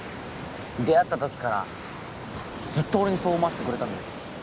出会った時からずっと俺にそう思わせてくれたんです